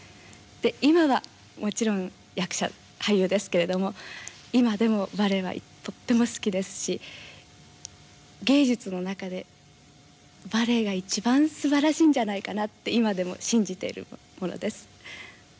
今はもちろん役者、俳優ですけど今でもバレエはとっても好きですし芸術の中でバレエが一番すばらしいんじゃないかなって今でも信じているものです。